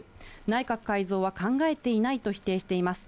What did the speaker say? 内閣改造は考えていないと否定しています。